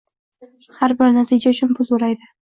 har bir natija uchun pul to’laydi